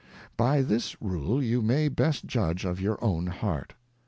By this Rule you may best judge of your own Heart.